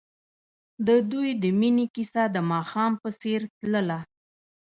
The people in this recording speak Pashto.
د دوی د مینې کیسه د ماښام په څېر تلله.